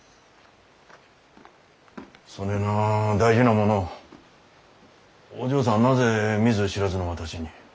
そねえな大事なものをお嬢さんはなぜ見ず知らずの私に？